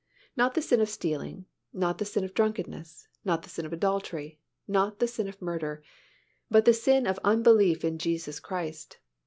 Not the sin of stealing, not the sin of drunkenness, not the sin of adultery, not the sin of murder, but the sin of unbelief in Jesus Christ.